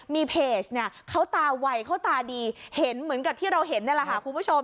มีเพจเขาตาวัยเขาตาดีเห็นเหมือนกับที่เราเห็นนะครับคุณผู้ชม